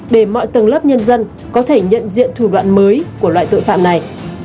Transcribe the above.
để mọi tầng lớp nhân dân có thể nhận diện thủ đoạn mới của loại tội phạm này